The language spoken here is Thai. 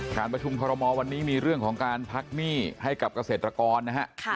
การประชุมคอรมอลวันนี้มีเรื่องของการพักหนี้ให้กับเกษตรกรนะฮะ